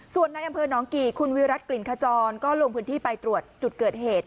ส่วนในอำเภอน้องกี่คุณวิรัติกลิ่นขจรก็ลงพื้นที่ไปตรวจจุดเกิดเหตุ